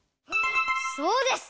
そうです。